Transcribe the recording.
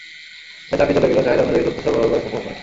তাই চাকরি চলে গেলেও চাহিদা অনুযায়ী তথ্য সরবরাহ করা সম্ভব নয়।